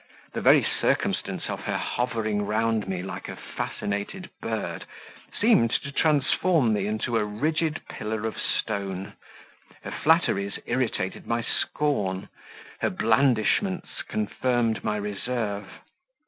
The very circumstance of her hovering round me like a fascinated bird, seemed to transform me into a rigid pillar of stone; her flatteries irritated my scorn, her blandishments confirmed my reserve.